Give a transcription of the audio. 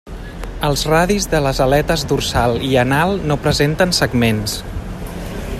Els radis de les aletes dorsal i anal no presenten segments.